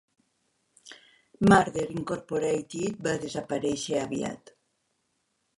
Murder, Incorporated va desaparèixer aviat.